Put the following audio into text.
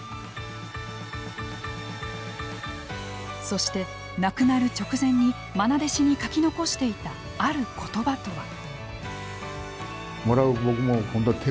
そして亡くなる直前にまな弟子に書き残していたある言葉とは。